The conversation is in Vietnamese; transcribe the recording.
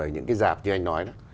những cái dạp như anh nói